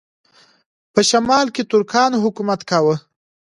په شمال کې ترکانو حکومت کاوه.